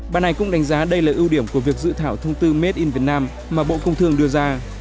bà này cũng đánh giá đây là ưu điểm của việc dự thảo thông tư made in vietnam mà bộ công thương đưa ra